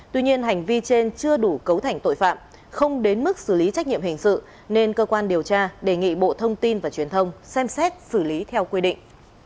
tuy nhiên hành vi trên chưa đủ cấu thành tội phạm không đến mức xử lý trách nhiệm hình sự nên cơ quan điều tra đề nghị bộ thông tin và truyền thông xem xét xử lý theo quy định